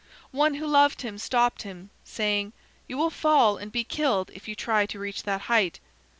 One who loved him stopped him, saying, 'You will fall and be killed if you try to reach that height.'